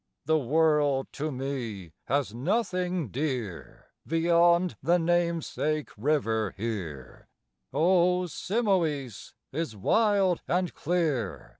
The world to me has nothing dear Beyond the namesake river here: O Simois is wild and clear!